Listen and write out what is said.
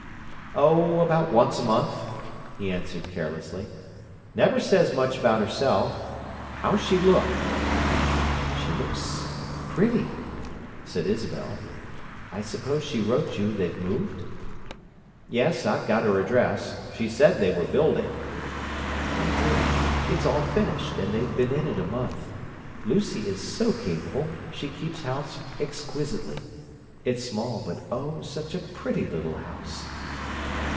"Oh, about once a month," he answered carelessly. "Never says much about herself. How's she look?" "She looks—pretty!" said Isabel. "I suppose she wrote you they've moved?" "Yes; I've got her address. She said they were building." "They did. It's all finished, and they've been in it a month. Lucy is so capable; she keeps house exquisitely. It's small, but oh, such a pretty little house!"